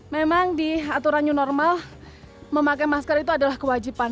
memang di aturan new normal memakai masker itu adalah kewajiban